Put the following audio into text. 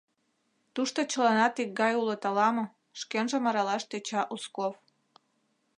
Тушто чыланат икгай улыт ала-мо, — шкенжым аралаш тӧча Узков.